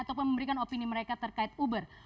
ataupun memberikan opini mereka terkait uber